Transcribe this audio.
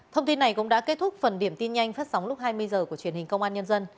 thông tin này cũng đã kết thúc phần điểm tin nhanh phát sóng lúc hai mươi h của truyền hình công an nhân dân